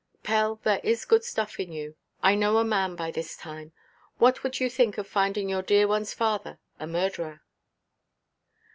"Pell, there is good stuff in you. I know a man by this time. What would you think of finding your dear oneʼs father a murderer?"